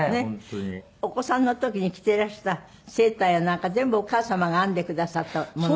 お子さんの時に着ていらしたセーターやなんか全部お母様が編んでくださったもの。